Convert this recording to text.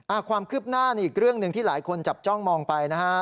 ความคืบหน้านี่อีกเรื่องหนึ่งที่หลายคนจับจ้องมองไปนะฮะ